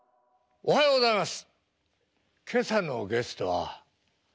おはようございます。